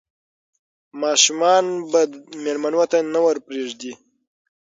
ماشومان به مېلمنو ته نه ور پرېږدي.